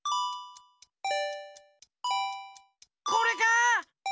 これか？